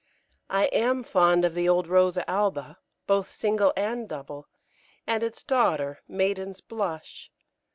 I am fond of the old Rosa alba, both single and double, and its daughter, Maiden's Blush.